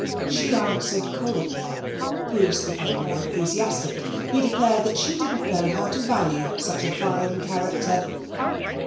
She answered coldly. Bruce became more enthusiastic. He declared that she didn't know how to value such a fine character.